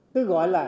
tôi gọi là